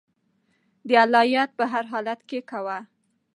د الله یاد په هر حال کې کوه.